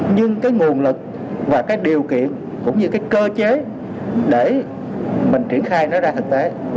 nhưng cái nguồn lực và cái điều kiện cũng như cái cơ chế để mình triển khai nó ra thực tế